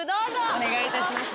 お願いいたします。